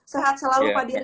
sehat selalu pak dirjen